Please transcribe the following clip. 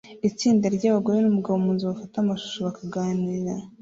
Itsinda ryabagore numugabo munzu bafata amashusho bakaganira